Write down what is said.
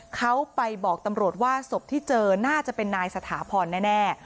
เขาไปบอกตำรวจว่าศพที่เจอน่าจะเป็นนายสถาพรแน่